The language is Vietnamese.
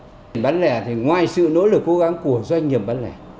doanh nghiệp bán lẻ thì ngoài sự nỗ lực cố gắng của doanh nghiệp bán lẻ